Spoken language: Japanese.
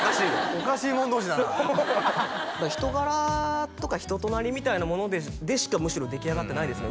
おかしいもん同士だな人柄とか人となりみたいなものでしかむしろ出来上がってないですね